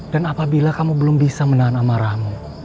dan apabila kamu belum bisa menahan amarahmu